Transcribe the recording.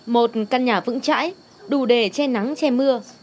một căn nhà vững chãi đủ để che nắng che mưa